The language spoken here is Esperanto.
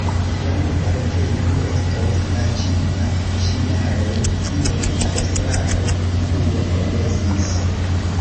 La nova retejo ne estos lanĉita ĉi-jare, kiel la estraro pli frue promesis.